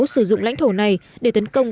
sử dụng lãnh thổ này để tấn công